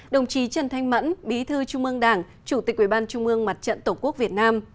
đồng chí trần thanh mẫn bí thư trung ương đảng chủ tịch ủy ban trung ương mặt trận tổ quốc việt nam